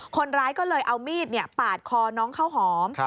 คนร้ายก็เลยเอามีดปาดคอน้องข้าวหอม